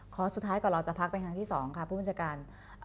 ขอสุดท้ายก่อนเราจะพักไปทางที่สองค่ะผู้บัญชาการ